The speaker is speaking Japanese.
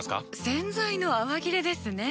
洗剤の泡切れですね。